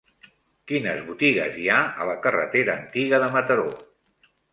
Quines botigues hi ha a la carretera Antiga de Mataró?